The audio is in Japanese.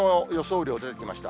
雨量、出てきました。